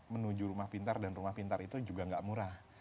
menuju rumah pintar dan rumah pintar itu juga nggak murah